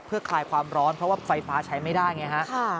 เพื่อคลายความร้อนเพราะว่าไฟฟ้าใช้ไม่ได้อย่างนี้ครับ